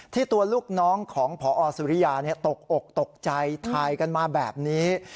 ตัวลูกน้องของพอสุริยาตกอกตกใจถ่ายกันมาแบบนี้